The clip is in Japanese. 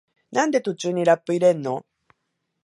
なんで途中にラップ入れんの？